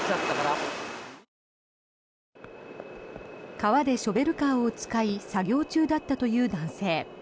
川でショベルカーを使い作業中だったという男性。